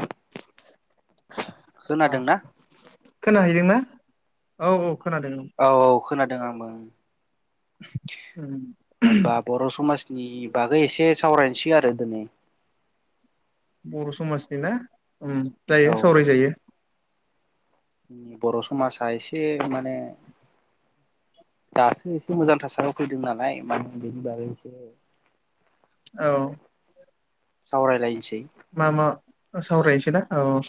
[inaudible] खोनादों ना खोनाहैदों ना औ औ औ औ खोनादों आंबो [inaudible] उम होनबा बर' समाजनि बागै एसे सावरायनोसै आरो दिनै बर' समाजनि ना उम औ जायो सावरायजायो बर' समाजा एसे माने दासो एसे मोजां थासारियाव फैदों नालाय [unintelligible] औ सावरायलायनोसै सावरायसैना औ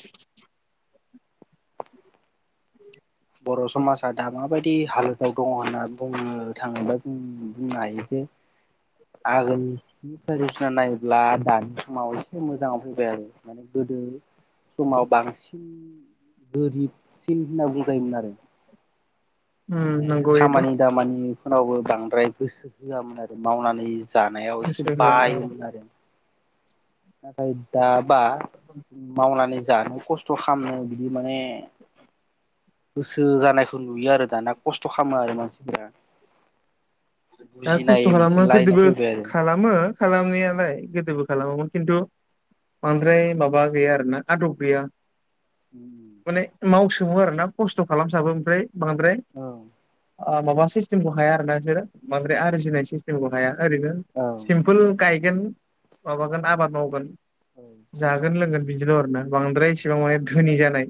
बर' समाजा दा माबायदि हालोदाव दङ होनना बुंनो थाङोबा जों बुंनो हायो जे आगोलनि [unintelligible] नायोब्ला दानि समाव एसे मोजाङाव फैबाय आरो माने गोदो समाव बां गोरिबसिन होनना बुं जायोमोन आरो उम माने नंगौ बेथ' खामानि दामानि फ्रावबो बांद्राय गोसो होआमोन आरो मावनानै जानायाव एसे गोसो होआ औ बायोमोन आरो नाथाय दा बा मावनानै जानो खस्थ' खालामनो बिदि माने गोसो जानायखौ नुयो आरो दाना खस्थ' खालामो आरो मानसिफोरा दा बुजिनाय खस्थ' मोनसे खालामो लाइनाव गोदोबो फैबाय आरो खालामो खालामनायालाय गोदोबो खालामामोन खिन्थु बांद्राय माबा गैया आरो ना आदब गैया माने मावस सङो आरो ना खस्थ' खालामसाबो ओमफ्राय बांद्राय औ ओ माबा सिस्टेम खौ हाया आरो ना बिसोरो बांद्राय आरजिनाय सिस्टेमखौ हाया ओरैनो सिम्पोल गायगोन माबागोन आबाद मावगोन जागोन लोंगोन बिदिल' आर ना बांद्राय इसेबां माने धोनि जानाय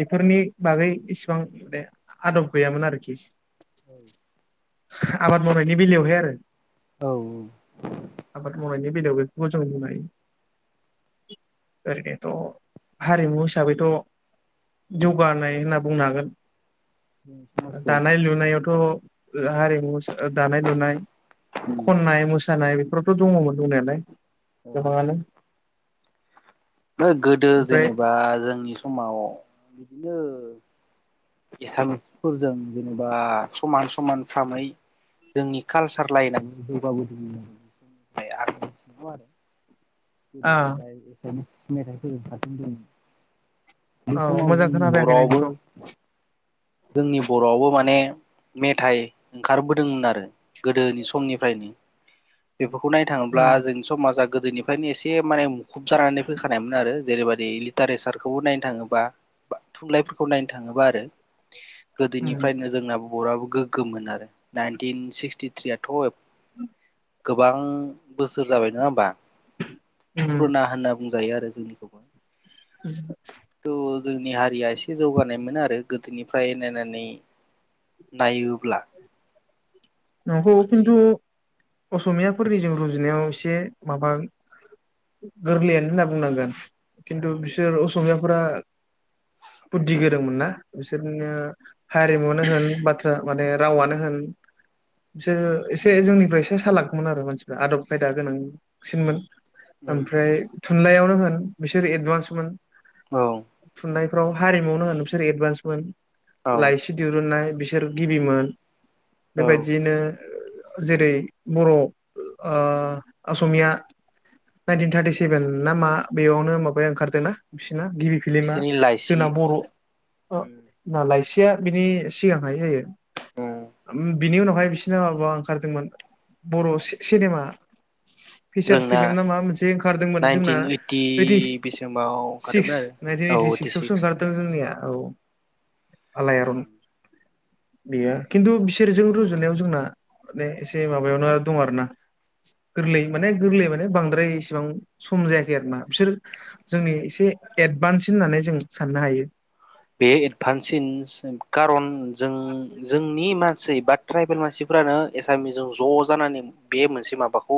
बेफोरनि बागै इसेबां माने आदब गैयामोन आरोखि औ आबाद मावनायनि बेलायावहाय आरो औ आबाद मावनायनि [unintelligible] बेफोरखौ जों बुंनो हायो ओरैनोथ' हारिमु हिसाबैथ' औ जौगानाय होनना बुंनो हागोन समाजखौ दानाय लुनायावथ' [unintelligible] मोसानाय दानाय लुनाय खनाय मोसानाय बेफोर दङमोन दंनायालाय औ गोजांयालै गोदो जेनेबा जोंनि समाव बिदिनो [inaudible] एसामिसफोरजों जेनेबा ओ समान समान फामै जोंनि कालसार लाइनाव जौगाबोदों होननानै [unintelligible] गोदो‌ आ गोदाय एसां मेथाइ फोजोबखागोन दे बे औ समाव मोजां जों खोनाफैयाखै बर'आवबो नोंनिखौ जोंनि बर'आवबो माने मेथाइ ओंखारबोदोंमोन आरो गोदोनि समनिफ्रायनो बेफोरखौ नायनो थाङोब्ला उम जोंनि समाजा गोदोनि ओखायनो एसे माने मुखुब जानानै फैखानायमोन आरो जेरैबायाददि लिटारेसारखौबो नायनो थाङोबा बा थुनलाइफोरखौ नायनो थाङोबा आरो उम गोदोनिफ्रायनो जोंना बुं बराबो गोग्गोमोन आरो नाइनटिन सिक्सटिथ्रियाथ' गोबां बोसोर जाबाय नङा होमबा उम पुरुना होनना बुंजायो आरो जोंनिखौ [inaudible] जोंनि हारिया एसे जौगानाय मोनो आरो गोदोनिफ्राय नायनानै नायो ब्ला नंगौ खिनथु असमियाफोरनिजों रुजुनायाव एसे माबा गोरलैयानो होनना बुंनांगोन खिनथु बिसोर असमिया फोरा बुद्दि गोरोंमोन ना बिसोरनो हारिमुवानो होन बाथ्रा माने रावानो होन बिसोरो एसे जोंनिफ्राय एसे सालाकमोन आरो मानसिफ्रा आदब खायदा गोनांसिनमोन ओमफ्राय थुनलाइयावनो होन बिसोर एदभान्समोन औ फ्राव हारिमुनो होन बिसोर एदभान्समोन औ लाइसि दिरुननाय बिसोर गिबिमोन औ नों जेरै बर' ओ असमिया नाइनटिन थार्टि सेभेन ना मा बेयावनो माबाया ओंखारदोंना गिबि फिलमा बिसोरनि लाइसि जोंना बर' लाइसि [unintelligible] बिनि सिगांहाय जायो बिनि उनाव ओमफाय बिसोरना माबा ओंखारदोंमोन बर' सि-सिनेमा फिसार जोंना फिल्म नामा मोनसे ओंखारदोंमोन जोंना ओइटि बेसिमाव सिक्स ओंखारदोंमोन आरो नाइनटिन औ ओइटि सिक्सवसो सिक्स ओंखारदों जोंनिया औ आलायारन गैया खिन्थु बिसोरजों रुजु जुनायाव जोंना माने एसे माबायावनो दं आरो ना गोरलै माने गोरलै माने बांद्राय इसेबां सम जायाखै आरो ना बिसोर जोंनि एसे एदभान्स होननानै जों साननो हायो बे एडभान्सिनस कारन जों जोंनि मान सै बा ट्राइबेल मानसिफ्रानो एसामिसजों ज' जानानै बे मोनसे माबाखौ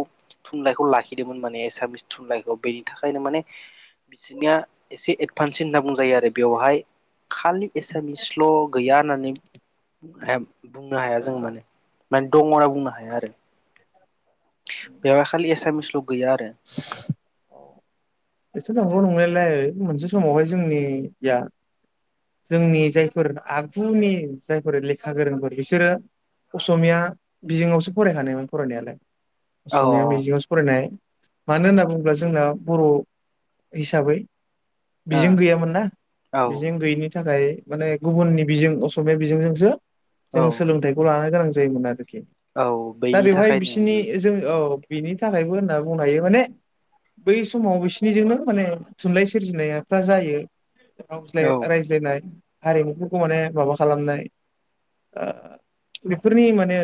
थुनलाइखौ लाखिदोंमोन माने एसामिस थुनलाइखौ बेनि थाखायनो माने बिसोरनिया एसे एडभान्स होनना बुंजायो आरो आरो बेवहाय खालि एसामिस स्लग गैया होननानै बुंनो हाया जों माने माने दङ होनना बुंनो हाया आरो बेयाव खालि एसामिस गैया आरो बेथ' नंगौ नंनायलाय मोनसे समावहाय जोंनिया जोंनि जायफोर आगुनि जायफोर लेखा गोरोंफोर बिसोरो असमिया बिजोङावसो फरायखानायोन फरायनायालाय औ असमिया बिजोंआवसो फरायनाय मानो होनना बुङोब्ला जोंना बर' हिसाबै बिजों गैयामोन ना औ बिजों गैयिनि थाखाय माने गुबुननि बिजों असमिया बिजोंजोंसो जों औ औ सोलोंथाइखौ लानो गोनां जा जायोमोन आरो औ दा बैनि बेवहाय थाखायनो बिसिनि जों औ बिनि थाखायबो सागुं माने बै समाव बिसिनिजोंनो माने थुनलाइ सोरजिनायफ्रा जायो [unintelligible] औ रायज्लायनाय हारिमुफोरखौ माने माबा खालामनाय ओ बेफोरनि माने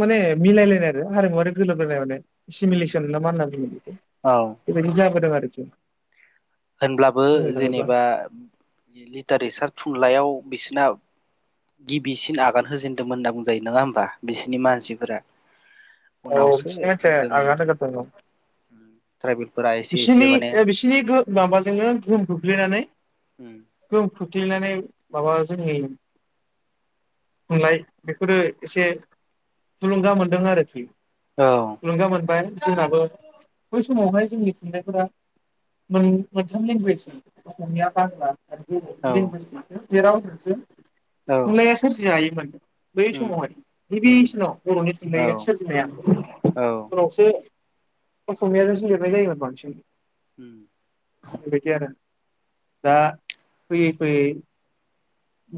माने मिलायलायनाय आरो हारिमुवारि गोरोबलायनाय माने फेमिलिसन ना मा बुङो बे औ बेबायदि जाबोदों आरो बेफो होनब्लाबो जेनेबा लिटारेसार थुनलाइयाव बिसोरना गिबिसिन आगान होजेनदोंमोन होनना बुंजायो नङा होमबा बिसोरनि मानसिफोरा औ उनावसो बिसोरनि मानसिया जों आंगा देनजार दंङ ट्राइबेलफोरा एसे एसे बिसिनि माने ओ बिसिनि गो माबा जोङो गोहोम खोख्लैनानै गोहोम खोख खोख्लैनानै माबा जोंनि थुनलाइ बेफोरो एसे थुलुंगा मोनदों आरोखि औ थुलुंगा मोनबाय जोंनाबो बै समावहाय जोंनि थुननायफोरा मोन मोनथाम लेंगुवेज असमिया बांला आरो बर' बे औ लेंगुवेज जोंसो बे रावसो औ थुनलाइया सोरजि जायो मोन बै उम समावहाय उम गिबिसिनाव बर'नि औ थुनलाइया सोरजिनाया औ उनावसो अस'मिया जों सो लिरनाय जायोमोन थिं उम बेबायदि आरो दा फैयै फैयै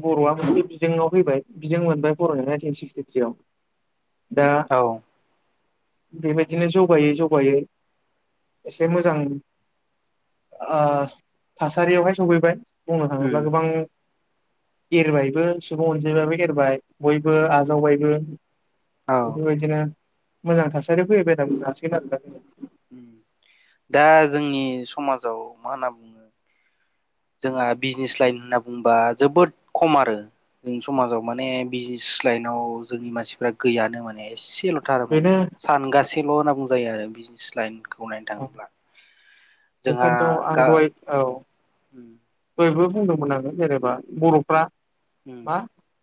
बर'आ मोनसे बिजोंङाव फैबाय बिजों मोनबाय फरायनाय नाइनटिन सिक्सटिथ्रियाव दा औ बेबायदिनो जौगायै जगायै एसे मोजां ओ थासारियावहाय सफैबाय बुंनो थाङोब्ला उम गोबां एरबायबो सुबुं अनजायबाबो एरबाय बयबो आजावबायबो औ बेफोरबायदिनो मोजां थासारि फैयबाय होनना बुंनो हासिगोन आरो दा उम दा जोंनि समाजाव मा होनना बुङो जोंहा बिजनेस लाइन होनना बुंबा जोबोद खम आरो जों समाजाव माने बिजनेस लाइनाव जोंनि मानसिफ्रा गैयानो माने एसे से ल'थार बेनो माने सानगासे एसेल' होनना बुजायो आरो बिजनेस लाइनखौ खौ नायनो थाङोब्ला जोंहा बेखायनोथ' आं गा दहाय औ उम दयबो बुंदोंमोन आङो जेनेबा बर'फ्रा उम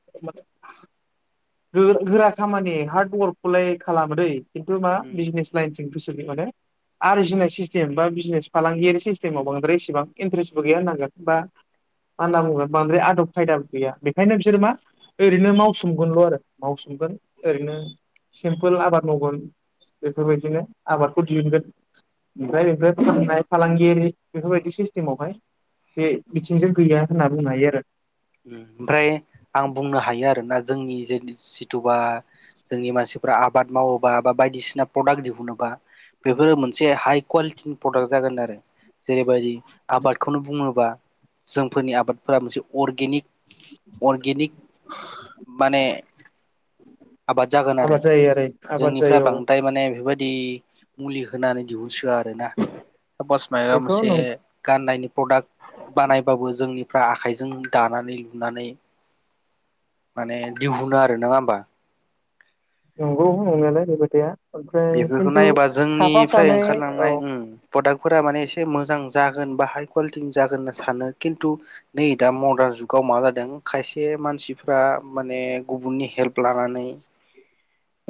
[unintelligible] गोरा गोरा खामानि हार्ड वर्कखौलाय खालामो दै खिन्थु मा उम बिजनेस लाइन बिसोरनि माने आरजिनाय सिस्टेम बा बिजनेस फालांगियारि सिस्टेमाव बांद्राय इसेबां इन्ट्रेस्टबो गैया होननांगोन बा मा होनना बुंनांगोन बांद्राय आदब खायदाबो गैया बेखायनो बिसोरो मा ओरैनो मावसोमगोनल' आरो मावसोमगोन ओरैनो सिम्पोल आबाद मावगोन बेफोरबायदिनो आबादखौ दिहुनगोन ओमफ्राय बेनिफ्राय फाननाय फालांगियारि बेफोरबायदि सिस्टेमावहाय बे बिथिंजों गैया होनना बुंनो हायो आरो ओमफ्राय आं बुंनो हायो आरोना जोंनि जे जि तुबा जोंनि मानसि फोरा आबाद मावोबा बा बायदिसिना प्रडाक्ट दिहुनोबा बेफोरो मोनसे हाइ कुवालिटिनि प्रडाक्ट जागोन आरो जेरैबायदि आबादखौनो बुङोबा जोंफोरनि आबादफोरा मोनसे अर्गेनिक अर्गेनिक माने आबाद जागोन आरो आबाद जायो आबाद जोंनिफ्राय जायो औ बांद्राय माने बेफोरबायदि मुलि होनानै दिहुनसोआ आरो आरोना सापस माबा बेथ' मोनसे गाननायनि प्रडाक्ट बानायबाबो जोंनि फ्रा आखाइजों दानानै लुनानै माने दिहुनो आरो नङा होमबा नंगौ नंनायालाय बे बायदिया बेफोरखौ नायोबा जोंनिफ्राय औ ओंखारलांनाय उम प्रडाक फोरा माने एसे मोजां जागोन बा हाइ कुवालिटिनि जागोन होनना सानो खिन्थु नै दा मडार्न जुगाव मा जादों खायसे मानसिफ्रा माने गुबुननि हेल्प लानानै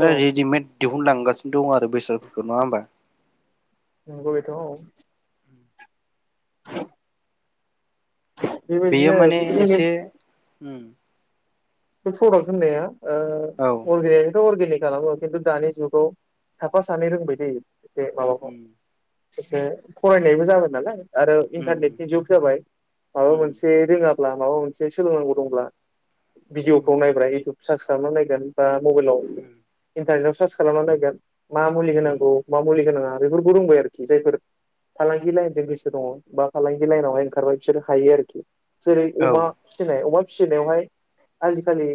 औ रेडिमेड दिहुन लांगासि दं आरो बेसादफोरखौ नङा होमबा? नंगौ बेथ' औ [unintelligible] बेयो बेबायदिनो माने बे जोंनि एसे उम बे प्रदाक होननाया औ ओ अर्गेनिकथ' अर्गेनिक खालामो खिन्थु दानि जुगाव साफा सानै रोंबाय दै ए माबाखौ उम एसे फरायनायबो जाबाय नालाय आरो उम इन्टारनेटनि जुग जाबाय माबा उम मोनसे रोङा अब्ला माबा मोनसे सोलोंनांगौ दंब्ला उम भिदिअखौ नायब्रा इउटिउब सार्च खालामना नायगोन बा मबाइलाव उम इनटारनेटाव सो सार्स खालामना नायगोन मा मुलि उम होनांगौ मा मुलि होनाङा बेफोरखौ रोंबाय आरोखि जायफोर फालांगि लाइनजों गोसो दङ बा फालांगि लाइनावहाय ओंखारबाय बिसोरो हायो आरोखि जेरै औ अमा उम फिसिनाय अमा फिसिनायावहाय आजिखालि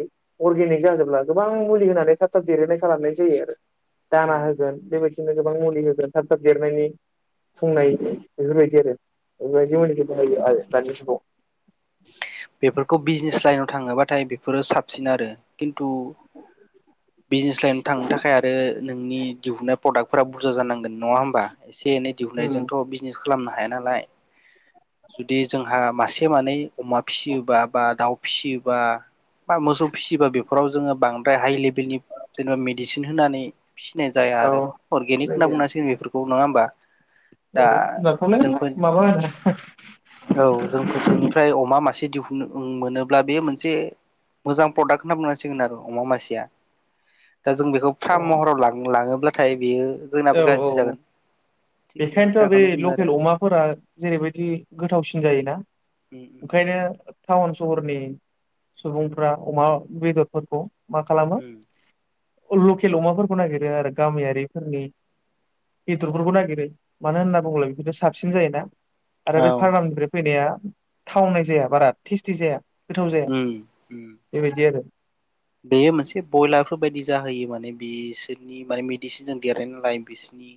अर्गेनिक जाजोब्ला गोबां मुलि होनानै थाब थाब देरहोनाय खालामनाय जायो आरो दाना होगोन बेबायदि नो गोबां मुलि होगोन थाब थाब देरनायनि उम फुंनायनि बेफोरबायदि बिदि आरो औवाजों [unintelligible] आरो दानि जुगाव बेफोरखौ बिजनेस लाइनाव थाङोबाथाय बेफोरो साबसिन आरो खिन्थु बिजनेस लाइन थांनो थाखाय आरो नोंनि दिहुननाय प्रडाक्टफोरा बुरजा जानांगोन नङा होमबा एसे एनै उम दिहुननायजोंथ' बिजनेस खालामनो हाया नालाय जुदि जोंहा मासे मानै अमा फिसियोबा बा दाउ फिसियोबा बा मोसौ फिसियोबा बेफोराव जोङो बांद्राय हाइ लेभेल खालामनो हाया नालाय बिलनि जेनेबा मेडिसिन होनानै फिसिनाय जाया औ आरो अरगेनिक सिनाय होनना जाया बुंनांसिगोन बेफोरखौ नङा होमबा? औ दा जों जुनारफ्रालाय माबा औ जोंफोथिनिफ्राय अमा मासे दि मोनोब्ला बे मोनसे मोजां प्रडाक्ट होनना बुंनांसिगोन आरो अमा मासेया दा जों बेखौ औ फार्म महराव लां लाङोब्ला नाथाय बियो औ औ बेखायनोथ' बे बाथ्राखौनो बुंबाय आरो लकेल अमाफोरा जेरैबायदि गोथावसिन जायोना ओंखायनो टाउन सहरनि सुबुंफ्रा अमा बेदरफोरखौ मा खालामो आं लकेल अमाफोरखौ नागिरो आरो गामियारिफोरनि बेदरफोरखौ नागिरो मानो होनना बुङोब्ला बेफोरो साबसिन जायोना आरो बे औ फार्मनिफ्राय फैनाया थावनाय जाया बारा टेस्टि जाया गोथाव जाया उम उम बेबायदि आरो बेयो मोनसे ब्रयलारफोर बायदि जाहोयो माने बिसोरनि माने मेडिसिनजों देरनाय नालाय बिसोरनि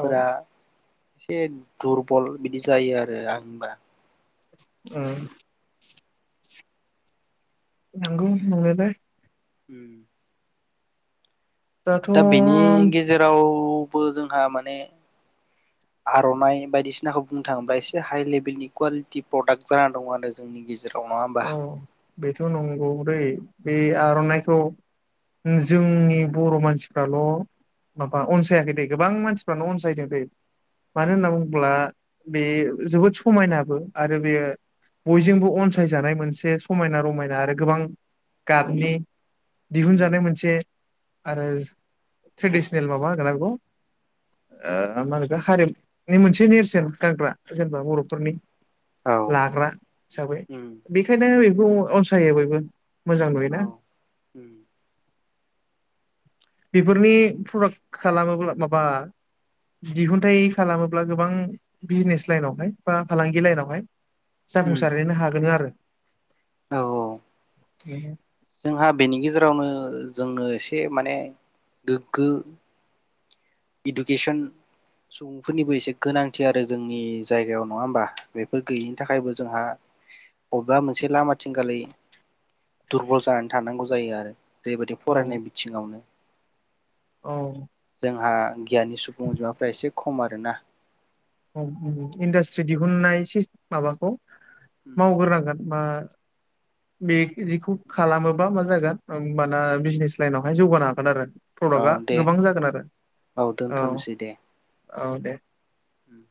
औ एसे दुरबल बिदि जायो आरो आंनिबा उम नंगौ नंनायालाय उम दाथ' दा बेनि गेजेराव बो जोंहा माने आर'नाइ बायदिसिनाखौ बुंनो थाङोब्ला एसे हाइ लेभेलनि कुवालिटि प्रडाक्ट जानानै दङ आरो जोंनि गेजेराव नङा होमबा औ बेथ' नंगौ दैै बे आर'नाइखौ जोंनि बर' मानसिफ्राल' माबा अनसायाखै दे गोबां मानसिफ्राल' अनसायदों दै मानो होनना बुङोब्ला बे जोबोद समायनाबो आरो बेयो बयजोंबो अनसा फसायजानाय मोनसे समायना रमायना आरो गोबां गाबनि दिहुनजानाय मोनसे आरो ट्रेडिसनेल माबा होनोगोन ना बेगोन मा होनोगो हारिमुनि मोनसे नेरसोन गानग्रा जेनेबा बर'फोरनि औ लाग्रा हिसाबै ने बेखौ अनसायो बयबो मोजां नुयोना औ बेफोरनि प्रडाक्ट खालामोब्ला माबा दिहुनथाइ खालामोब्ला गोबां बिजनेस लाइनावहाय बा फालांगि लाइनावहाय जाफुंसारहैनो हागोन आरो औ औ [unintelligible] जोंहा बेनि गेजेरावनो जोंनो एसे माने गोग्गो इडुकेसन सुबुंफोरनिबो एसे गोनांथि आरो जोंनि जायगायाव नङा होमबा बेफोर गैयिनि थाखायबो जोंहा बबेबा मोनसे लामाथिंगल' दुरबल जानानै थानांगौ जायो आरो जेरैबायदि औ फरायनाय बिथिङावनो औ जोंहा गियानि सुबुं अनजिमाफ्रा एसे खम आरोना इन्डास्ट्रि दिहुननाय सि माबाखौ मावग्रोनांगोन मा बे जिखौ खालामोबा मा जागोन होनबाना बिजनेस लाइनावहाय जौगानो हागोन आरो औ प्रडाक्टआ दे गोबां जागोन आरो औ दोनथ'नोसै दे। औ दे उम